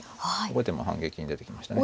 後手も反撃に出てきましたね。